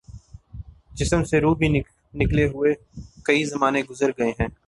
جسم سے روح بھی نکلےہوئے کئی زمانے گزر گے ہیں